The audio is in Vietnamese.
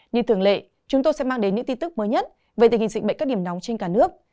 như thường lệ chúng tôi sẽ mang đến những tin tức mới nhất về tình hình dịch bệnh các điểm nóng trên cả nước